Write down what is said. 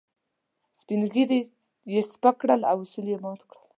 سپين ږيري يې سپک کړل او اصول يې مات کړل.